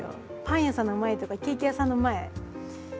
パン屋さんの前とかケーキ屋さんの前やばいね。